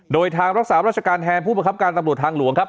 โดยทางรักษาราชการแทนผู้ประคับการตำรวจทางหลวงครับ